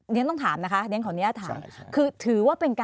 เน้นขอนิยะถามคือ